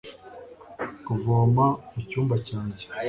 kuvoma mucyumba cyanjye